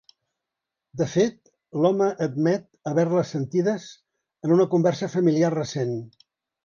De fet, l'home admet haver-les sentides en una conversa familiar recent.